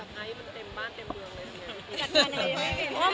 มันเต็มบ้านเต็มเมืองเลยสินะ